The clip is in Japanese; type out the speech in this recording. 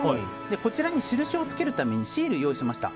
こちらに印をつけるためにシールを用意しました。